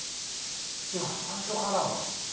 今スタンドカラーの。